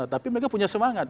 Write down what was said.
tapi mereka punya semangat